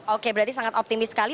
oke berarti sangat optimis sekali